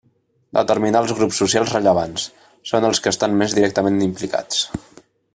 Determinar els grups socials rellevants: són els que estan més directament implicats.